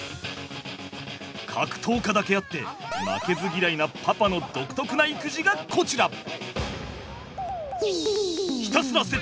格闘家だけあって負けず嫌いなパパの独特な育児がこちら。